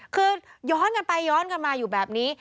คือย้อนกันไปย้อนกันมาอยู่แบบนี้